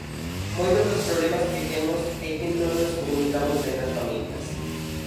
Moitos dos problemas que temos é que non nos comunicamos ben nas familias.